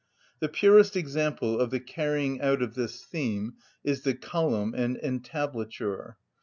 The purest example of the carrying out of this theme is the column and entablature.